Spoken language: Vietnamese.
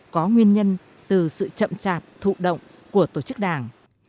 có nguyên nhân từ sự chậm chạp thụ động của tổ chức đảng